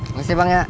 makasih bang ya